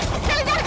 malin jangan lupa